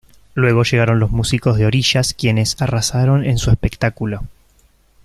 Luego llegaron los músicos de Orishas quienes arrasaron en su espectáculo.